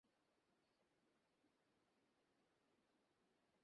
আমাদের সাক্ষাৎ প্রোগ্রামে হয়েছিল।